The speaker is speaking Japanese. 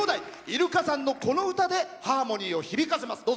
イルカさんのこの歌でハーモニーを響かせます。